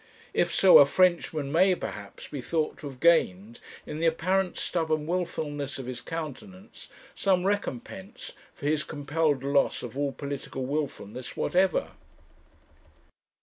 If so, a Frenchman may, perhaps, be thought to have gained in the apparent stubborn wilfulness of his countenance some recompense for his compelled loss of all political wilfulness whatever.